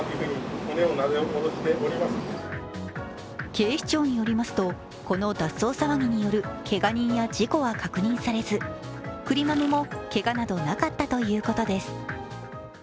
警視庁によりますと、この脱走騒ぎによるけが人は事故は確認されずくりまめもけがなどなかったということです。